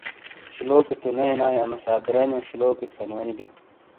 شلوکے تو نے اینائے انو صابرانیو شلوک سنیونو بئی۔